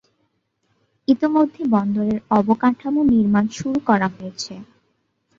ইতোমধ্যে বন্দরের অবকাঠামো নির্মাণ শুরু করা হয়েছে।